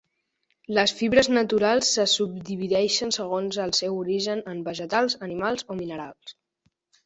Les fibres naturals se subdivideixen segons el seu origen en vegetals, animals o minerals.